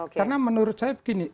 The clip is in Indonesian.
karena menurut saya begini